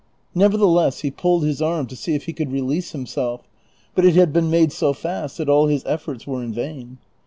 Nevertheless he pulled his arm to see if he could release him self, but it had been inade so fast that all his efforts were in vain.